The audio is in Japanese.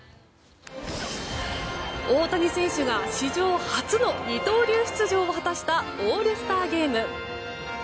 大谷選手が史上初の二刀流出場を果たしたオールスターゲーム。